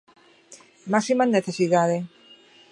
Máxima necesidade.